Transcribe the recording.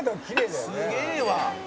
「すげえわ！」